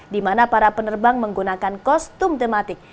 di mana para penerbang menggunakan kostum tematik